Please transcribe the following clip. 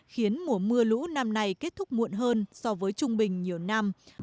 khiến mùa mưa lũ năm nay kết thúc muộn hơn so với trung bình nhiều năm